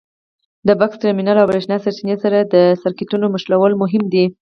د بکس ټرمینل او برېښنا سرچینې سره د سرکټونو نښلول مهم دي.